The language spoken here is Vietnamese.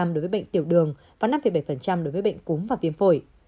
một mươi bốn tám đối với bệnh tiểu đường và năm bảy đối với bệnh cúm và viêm phổi